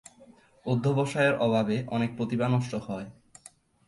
অধ্যবসায়ের অভাবে অনেক প্রতিভা নষ্ট হয়।